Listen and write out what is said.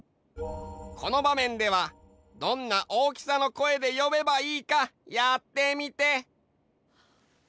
このばめんではどんな大きさの声でよべばいいかやってみて。